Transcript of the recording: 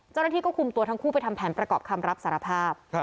เจ้าหน้าที่ก็คุมตัวทั้งคู่ไปทำแผนประกอบคำรับสารภาพ